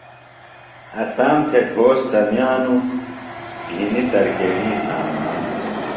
اسام تھےۡ گھوݜٹ سمیانوۡ، گِھنیۡ ترکیݨیۡ سامان